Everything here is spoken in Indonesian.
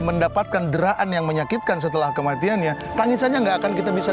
mendapatkan deraan yang menyakitkan setelah kematiannya tangisannya enggak akan kita bisa